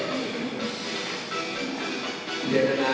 สวัสดีครับ